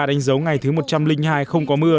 đánh dấu ngày thứ một trăm linh hai không có mưa